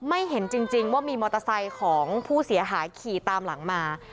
ไม่เห็นจริงว่ามีมอเตอร์ไซค์ของผู้เสียหายขี่ตามหลังมา